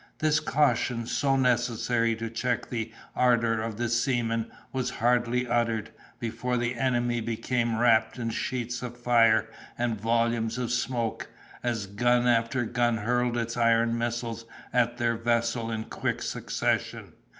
This caution, so necessary to check the ardor of the seamen, was hardly uttered, before the enemy became wrapped in sheets of fire and volumes of smoke, as gun after gun hurled its iron missiles at their vessel in quick succession.